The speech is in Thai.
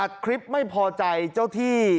คลิปไม่พอใจเจ้าที่